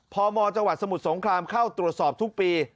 พมจังหวัดสมุทรสงครามเข้าตรวจสอบทุกปี